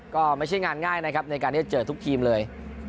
ก็ไม่ใช่งานง่ายนะครับในการที่จะเจอทุกทีมเลย